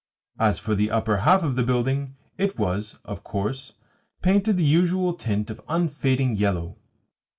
As for the upper half of the building, it was, of course, painted the usual tint of unfading yellow.